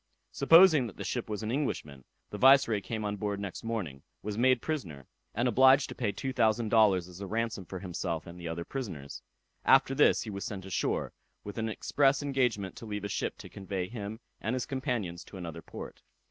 Supposing that the ship was an Englishman, the Viceroy came on board next morning, was made prisoner, and obliged to pay two thousand dollars as a ransom for himself and the other prisoners. After this he was sent ashore, with an express engagement to leave a ship to convey him and his companions to another port.